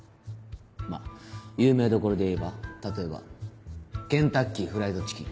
まっ有名どころでいえば例えばケンタッキー・フライド・チキン。